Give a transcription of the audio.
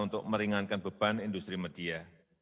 untuk meringankan beban industri media